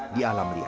di alam ria